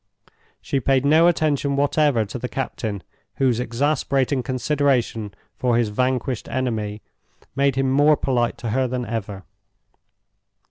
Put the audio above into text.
She paid no attention whatever to the captain, whose exasperating consideration for his vanquished enemy made him more polite to her than ever.